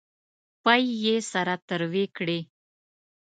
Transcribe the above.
پۍ یې سره تروې کړې.